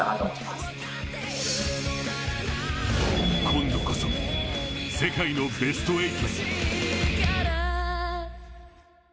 今度こそ、世界のベスト８へ。